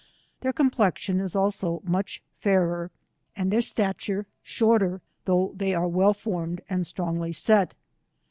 Their complexion is also much fairer, and their stature shorter, though they are well formed and strongly set.